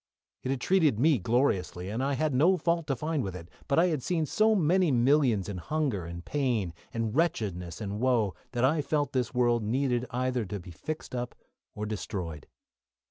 It had treated me gloriously, and I had no fault to find with it, but I had seen so many millions in hunger and pain, and wretchedness and woe that I felt this world needed either to be fixed up or destroyed.